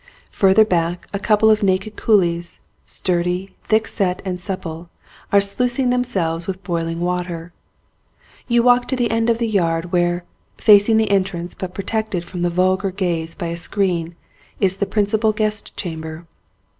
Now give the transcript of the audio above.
Further back a couple of naked coolies, sturdy, thickset and supple, are sluicing themselves with boiling water. You walk to the end of the yard where, facing the entrance but protected from the vulgar gaze by a screen, is the principal guest chamber.